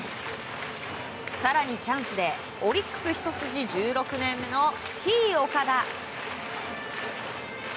更にチャンスでオリックスひと筋１６年目のＴ‐岡田。